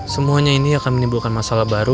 semuanya ini akan menimbulkan masalah baru